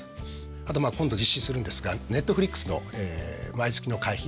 あとまあ今度実施するんですがＮｅｔｆｌｉｘの毎月の会費